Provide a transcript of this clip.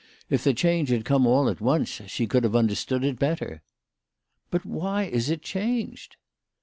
If the change had come all at once she could have under stood it better." " But why is it changed